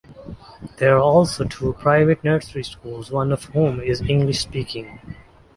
There are also two private nursery schools, one of whom is English-speaking.